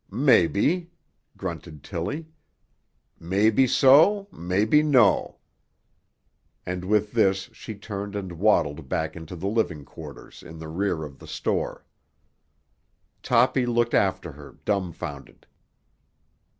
"Mebbe," grunted Tilly. "Mebbe so; mebbe no." And with this she turned and waddled back into the living quarters in the rear of the store. Toppy looked after her dumbfounded.